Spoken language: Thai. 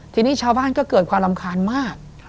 ทีนี้ชาวบ้านก็เกิดความรำคาญมาก